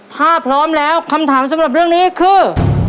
ถ้าพร้อมแล้วคำถามสำหรับเรื่องนี้คือ